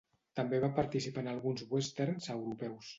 També va participar en alguns westerns europeus.